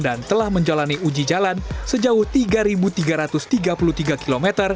dan telah menjalani uji jalan sejauh tiga tiga ratus tiga puluh tiga km